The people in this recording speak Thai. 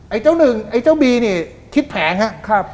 เจ้าหนึ่งไอ้เจ้าบีนี่คิดแผงครับ